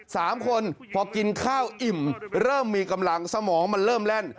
สามคนพอกินข้าวอิ่มเริ่มมีกำลังสมองมันเริ่มแล่น